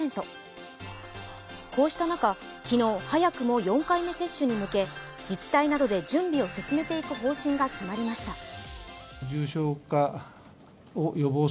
こうした中、昨日早くも４回目接種に向け自治体などで準備を進めていく方針が決まりました。